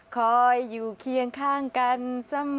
คอยอยู่เคียงข้างกันเสมอ